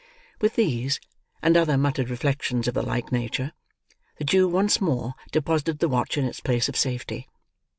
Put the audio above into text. With these, and other muttered reflections of the like nature, the Jew once more deposited the watch in its place of safety.